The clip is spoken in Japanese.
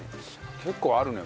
結構あるね。